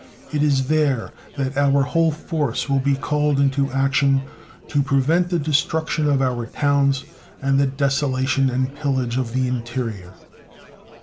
It is there that our whole force will be called into action to prevent the destruction of our towns and the desolation and pillage of the interior.